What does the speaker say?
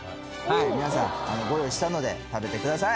皆さんご用意したので食べてください。